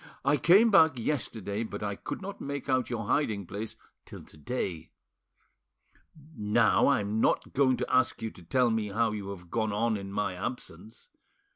I came back yesterday, but I could not make out your hiding place till to day. Now I'm not going to ask you to tell me how you have gone on in my absence.